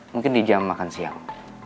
mungkin di jam makan siang